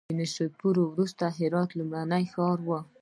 له نیشاپور وروسته هرات لومړی ښار و.